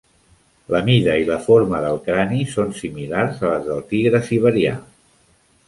La mida i la forma del crani són similars a les del tigre siberià.